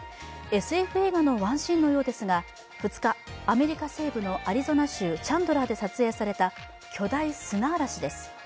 ＳＦ映画のワンシーンのようですが、２日、アメリカ西部のアリゾナ州チャンドラーで撮影された巨大砂嵐です。